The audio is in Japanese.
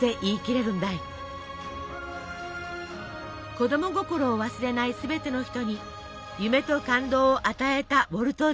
子供心を忘れないすべての人に夢と感動を与えたウォルト・ディズニー。